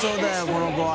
この子は。